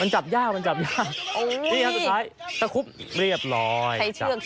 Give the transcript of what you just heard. มันจับยากสุดท้ายเตรียบร้อย